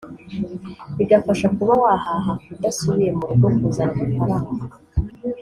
bigafasha kuba wahaha udasubiye mu rugo kuzana amafaranga